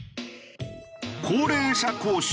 高齢者講習